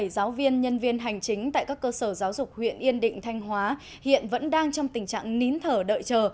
sáu trăm bốn mươi bảy giáo viên nhân viên hành chính tại các cơ sở giáo dục huyện yên định thanh hóa hiện vẫn đang trong tình trạng nín thở đợi chờ